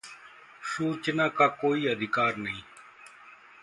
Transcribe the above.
सूचना का कोई अधिकार नहीं